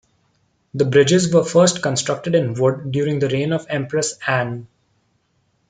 The bridges were first constructed in wood during the reign of Empress Anne.